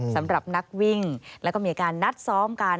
สำหรับนักวิ่งแล้วก็มีการนัดซ้อมกัน